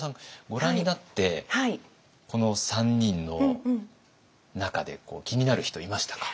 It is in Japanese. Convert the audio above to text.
ご覧になってこの３人の中で気になる人いましたか？